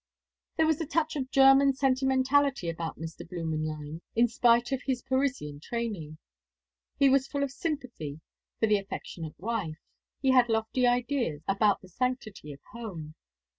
There was a touch of German sentimentality about Mr. Blümenlein, in spite of his Parisian training. He was full of sympathy for the affectionate wife. He had lofty ideas about the sanctity of home.